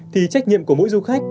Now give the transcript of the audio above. thì trách nhiệm của mỗi du khách